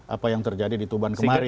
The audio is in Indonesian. apa yang terjadi di tuban kemarin